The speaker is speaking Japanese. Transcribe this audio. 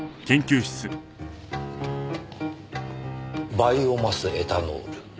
バイオマスエタノール？